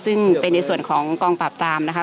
ซึ่งเป็นในส่วนของกองปราบปรามนะคะ